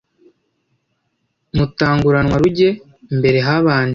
mutanguranwa-ruge, mbere habanje